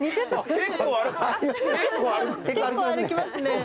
結構歩きますね。